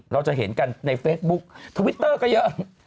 เราจะเห็นกันในเฟซบุ๊คทวิตเตอร์ก็เยอะ